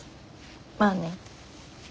まあね。